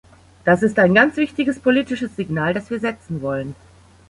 Das ist ein ganz wichtiges politisches Signal, das wir setzen wollen.